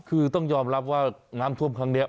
คือต้องยอมรับว่าน้ำท่วมครั้งนี้